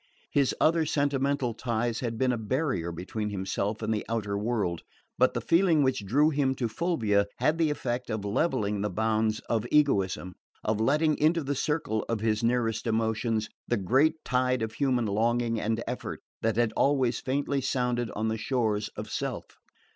His other sentimental ties had been a barrier between himself and the outer world; but the feeling which drew him to Fulvia had the effect of levelling the bounds of egoism, of letting into the circle of his nearest emotions that great tide of human longing and effort that had always faintly sounded on the shores of self.